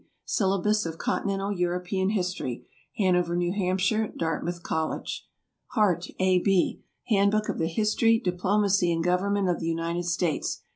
"Syllabus of Continental European History." Hanover, N. H., Dartmouth College. HART, A. B. "Handbook of the History, Diplomacy, and Government of the United States."